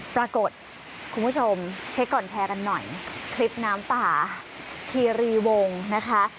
ปรากฏคุณผู้ชมเช็คก่อนแชร์กันหน่อยคลิปน้ำป่าคีรีวงนะคะ